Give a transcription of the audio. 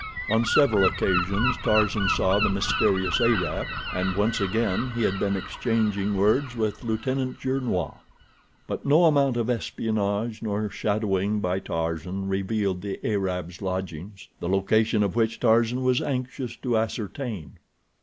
On several occasions Tarzan saw the mysterious Arab, and once again he had been exchanging words with Lieutenant Gernois; but no amount of espionage or shadowing by Tarzan revealed the Arab's lodgings, the location of which Tarzan was anxious to ascertain.